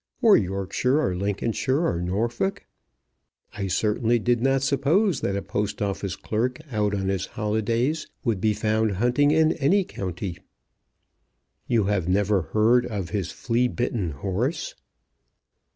or Yorkshire, or Lincolnshire, or Norfolk? I certainly did not suppose that a Post Office clerk out on his holidays would be found hunting in any county." "You have never heard of his flea bitten horse?"